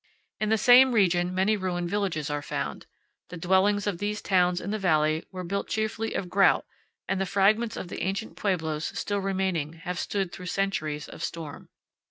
In the same region many ruined villages are found. The dwellings of these towns in the valley were built chiefly of grout, and the fragments of the ancient pueblos still remaining have stood through centuries of storm.